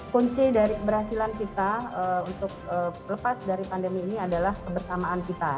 kunci dari keberhasilan kita untuk lepas dari pandemi ini adalah kebersamaan kita